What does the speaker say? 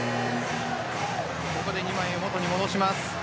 ここで２枚を元に戻します。